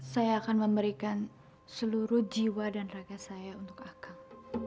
saya akan memberikan seluruh jiwa dan raga saya untuk akad